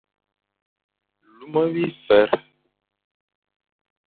Luma bifer,